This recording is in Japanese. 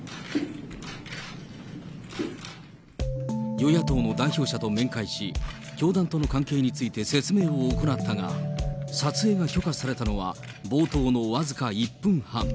与野党の代表者と面会し、教団との関係について説明を行ったが、撮影が許可されたのは冒頭の僅か１分半。